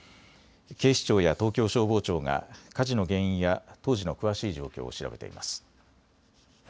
警視庁や東京消防庁が火事の原因や当時の詳しい状況を調べています。